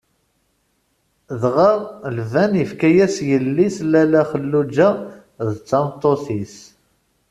Dɣa Laban ifka-as yelli-s Lalla Xelluǧa d tameṭṭut-is.